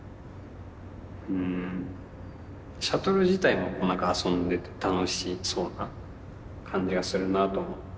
うんシャトル自体も遊んでて楽しそうな感じがするなと思って。